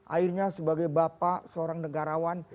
akhirnya sebagai bapak seorang negarawan